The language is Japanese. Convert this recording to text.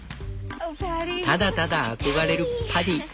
ただただ憧れるパディ。